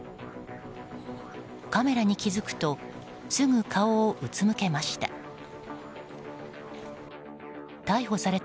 カメラに気付くとすぐに顔をうつむけました。